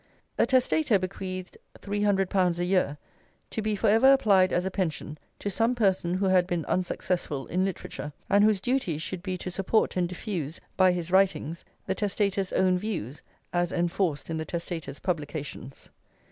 A testator bequeathed 300£. a year, to be for ever applied as a pension to some person who had been unsuccessful in literature, and whose duty should be to support and diffuse, by his writings, the testator's own views, as enforced in the testator's publications.